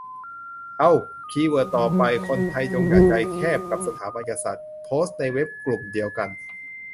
เอ้า คีย์เวิร์ดต่อไป "คนไทยจงอย่าใจแคบกับสถาบันกษัตริย์" โพสต์ในเว็บกลุ่มเดียวกัน